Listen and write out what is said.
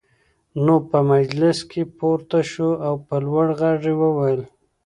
نو په مجلس کې پورته شو او په لوړ غږ يې وويل: